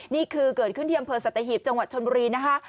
นี่คือเกิดขึ้นที่อำเภอสัตหีบจังหวัดชนบุรีนะคะ